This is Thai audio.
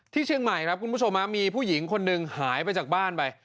ที่เชียงใหม่ครับมีผู้หญิงคนนึงหายไปจากบ้านไป